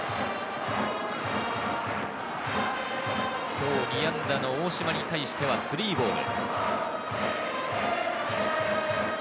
今日２安打の大島に対しては３ボール。